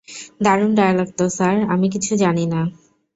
দারুণ ডায়লগ তো স্যার, আমি কিছু জানি না!